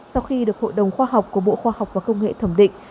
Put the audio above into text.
sau khi được hội đồng khoa học của bộ khoa học và công nghệ thẩm định